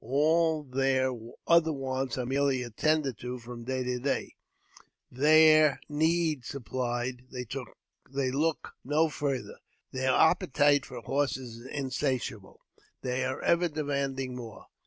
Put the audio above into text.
All their I other wants are merely attended to from day to day ; their ; need supplied, they look no farther ; but their appetite for I horses is insatiable : they are ever demanding more.